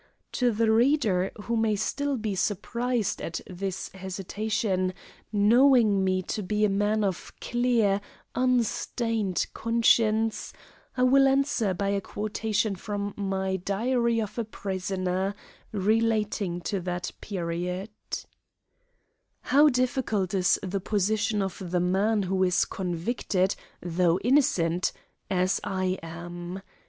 To the reader who may still be surprised at this hesitation, knowing me to be a man of a clear, unstained conscience, I will answer by a quotation from my "Diary of a Prisoner," relating to that period: "How difficult is the position of the man who is convicted, though innocent, as I am.